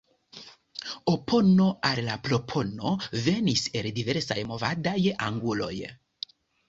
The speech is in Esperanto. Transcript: Opono al la propono venis el diversaj movadaj anguloj.